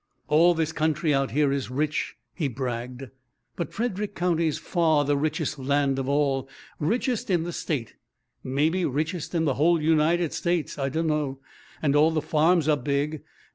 "All this country out here's rich," he bragged, "but Fred'rick County's far the richest land of all. Richest in the state. Maybe richest in the whole United States, I dunno. And all the farms are big.